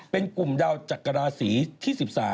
เป็นกลุ่มดาวจักรราศีที่๑๓